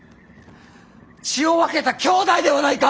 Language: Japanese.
血を分けた兄弟ではないか！